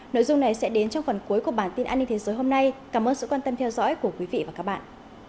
nội dung này sẽ đến trong phần cuối của bản tin an ninh thế giới hôm nay cảm ơn sự quan tâm theo dõi của quý vị và các bạn